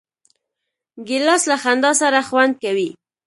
ګیلاس له خندا سره خوند کوي.